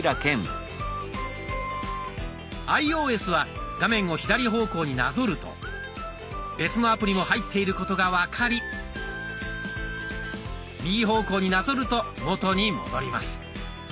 アイオーエスは画面を左方向になぞると別のアプリも入っていることが分かり右方向になぞると元に戻ります。